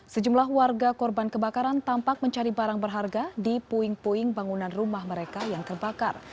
sejumlah warga korban kebakaran tampak mencari barang berharga di puing puing bangunan rumah mereka yang terbakar